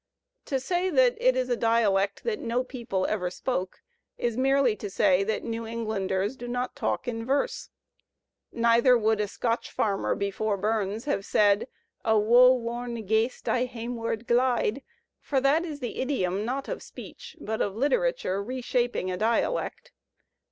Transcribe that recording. To say that it is a dialect that no people ever spoke is merely to say that New Englanders do not talk in verse. Neither would a Scotch farmer before Bums have said, "A woe worn ghaist I hameward glide"; for that is the idiom not of speech, but of Uterature reshaping a dialect.